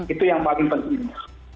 itu yang paling penting